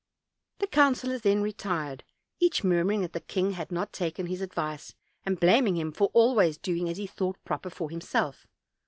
The councilors then retired, each mur muring that the king had not taken his advice, and blaming him for always doing as he thought proper for himself.